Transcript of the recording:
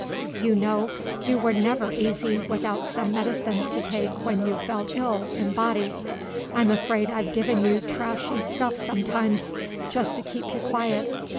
You know you were never easy without some medicine to take when you felt ill in body. I'm afraid I've given you trashy stuff sometimes, just to keep you quiet.